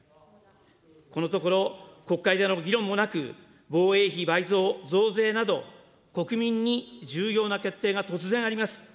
このところ、国会での議論もなく防衛費倍増・増税など、国民に重要な決定が突然あります。